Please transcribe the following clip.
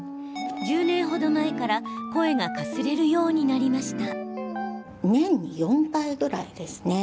１０年程前から声がかすれるようになりました。